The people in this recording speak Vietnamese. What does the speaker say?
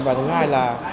và thứ hai là